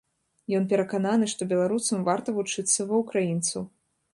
Ён перакананы, што беларусам варта вучыцца ва ўкраінцаў.